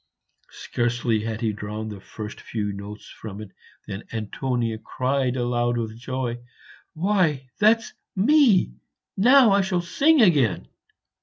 Scarcely had he drawn the first few notes from it than Antonia cried aloud with joy, "Why, that's me! now I shall sing again."